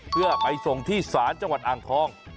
เพื่อไปส่งที่ศาลจังหวัดอ่างทอง